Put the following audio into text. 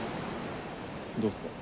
どうですか？